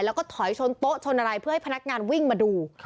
แล้วก็ถอยชนโต๊ะชนอะไรเพื่อให้พนักงานวิ่งมาดู